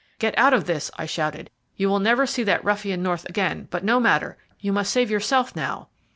"Get out of this," I shouted. "You will never see that ruffian North again; but no matter, you must save yourself now."